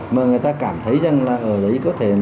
mà người ta cảm thấy rằng là ở đấy có thể